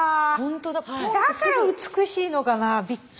だから美しいのかなぁピッと。